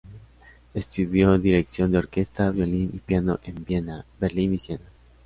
Estudió dirección de orquesta, violín y piano en Viena, Berlín y Siena.